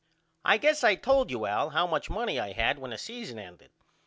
I guess I told you Al how much money I had when the season ended.